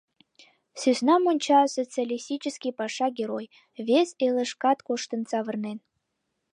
Сӧснам онча, Социалистический Паша Герой, вес элышкат коштын савырнен.